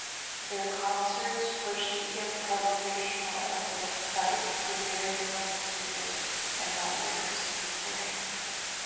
Their concerts pushed the improvisational envelope by preparing no material and not rehearsing beforehand.